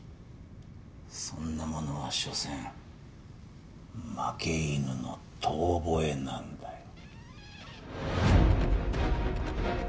そんなものはしょせん負け犬の遠ぼえなんだよ。